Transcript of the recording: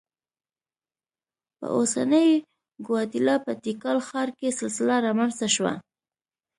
په اوسنۍ ګواتیلا په تیکال ښار کې سلسله رامنځته شوه.